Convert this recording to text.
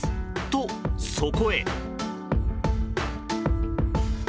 と、そこへ。